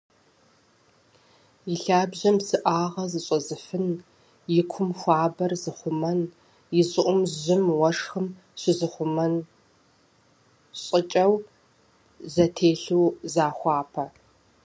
Илъабжьэм псыӏагъэ зыщӏэзыфын, икум хуабэр зыхъумэн, ищӏыӏум жьым, уэшхым щызыхъумэн щӏыкӏэу зэтелъу захуапэ.